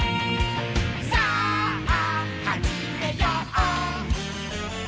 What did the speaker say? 「さあはじめよう」